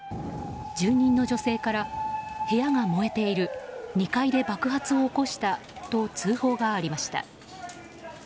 住人の女性から部屋が燃えている２階で爆発を起こしたと通報がありました。